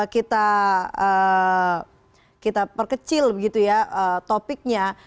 kita perkecil begitu ya topiknya